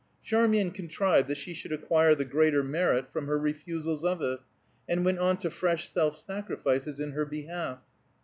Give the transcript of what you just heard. Charmian contrived that she should acquire the greater merit, from her refusals of it, and went on to fresh self sacrifices in her behalf.